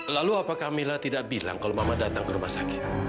lalu apakah mila tidak bilang kalau mama datang ke rumah sakit